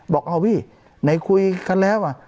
บอกอ้าวพี่ไหนคุยกันแล้ว